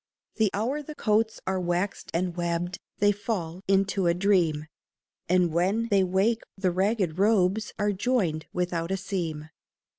The hour the coats are waxed and webbed They fall into a dream, And when they wake the ragged robes Are joined without a seam.